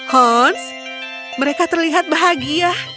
hans mereka terlihat bahagia